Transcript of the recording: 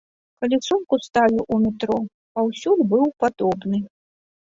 Калі сумку ставіў у метро, паўсюль быў падобны.